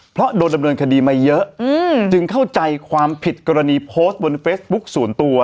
เพราะโดนดำเนินคดีมาเยอะจึงเข้าใจความผิดกรณีโพสต์บนเฟซบุ๊คส่วนตัว